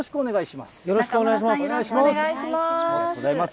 よろしくお願いします。